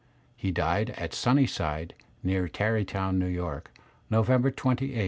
He died at Sunnyside, near Tarrytown, New York, November £8, 1859.